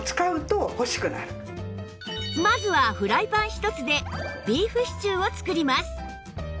まずはフライパン一つでビーフシチューを作ります